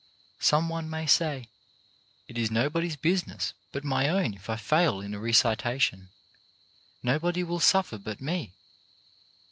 Some one may say: "It is nobody's business but my own if I fail in a recitation. Nobody will suffer but me."